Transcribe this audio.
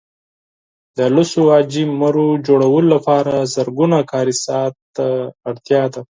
د لسو عاجي مرو جوړولو لپاره زرګونه کاري ساعته اړتیا ده.